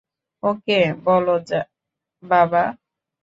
ওকে বলো, বাবা।